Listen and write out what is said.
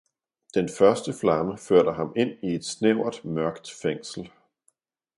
Den første flamme førte ham ind i et snævert mørkt fængsel.